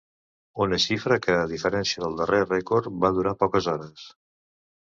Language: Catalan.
Una xifra que, a diferència del darrer rècord, va durar poques hores.